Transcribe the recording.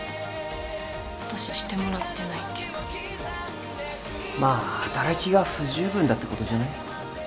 私してもらってないけどまあ働きが不十分だってことじゃない？